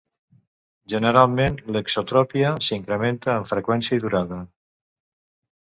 Generalment, l'exotropia s'incrementa en freqüència i durada.